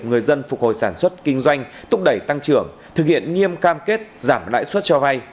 người dân phục hồi sản xuất kinh doanh thúc đẩy tăng trưởng thực hiện nghiêm cam kết giảm lãi suất cho vay